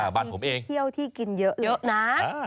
บ้านคุณค่ะมีที่เที่ยวที่กินเยอะเลยนะ